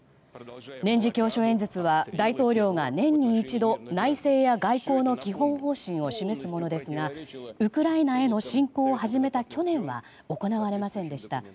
年次教書演説は大統領が年に一度内政や外交の基本方針を示すものですが、ウクライナへの侵攻を始めた去年は行われませんでした。